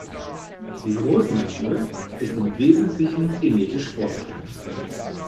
Wie groß man wird, ist im Wesentlichen genetisch vorbestimmt.